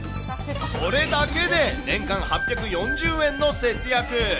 それだけで年間８４０円の節約。